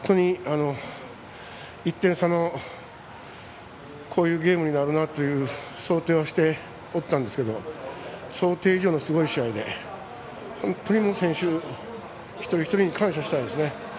本当に１点差のこういうゲームになるなと想定しておったんですけど想定以上のすごい試合で本当に選手一人一人に感謝したいですね。